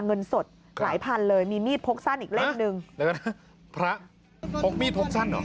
เงินสดหลายพันเลยมีมีดพกสั้นอีกเล่มหนึ่งแล้วก็พระพกมีดพกสั้นเหรอ